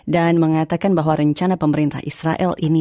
dan mengatakan bahwa rencana pemerintah israel ini